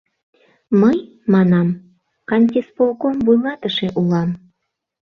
«Мый, — манам, — кантисполком вуйлатыше улам».